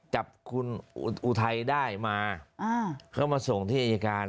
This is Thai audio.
จับคุณอุทัยได้มาเขามาส่งที่อายการ